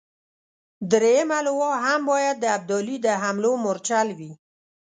درېمه لواء هم باید د ابدالي د حملو مورچل وي.